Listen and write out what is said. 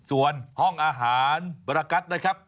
ส่วนห้องอาหารประกัดนะครับ